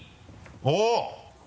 おっ！